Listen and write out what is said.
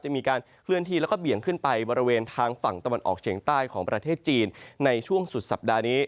มีการเคลื่อนที่แล้วก็เบี่ยงขึ้นไปบริเวณทางฝั่งตะวันออกเฉียงใต้ของประเทศจีนในช่วงสุดสัปดาห์นี้